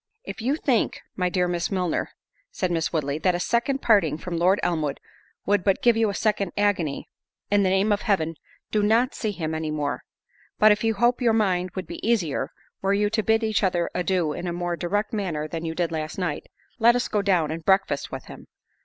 "If you think, my dear Miss Milner," said Miss Woodley, "that a second parting from Lord Elmwood would but give you a second agony, in the name of Heaven do not see him any more—but, if you hope your mind would be easier, were you to bid each other adieu in a more direct manner than you did last night, let us go down and breakfast with him.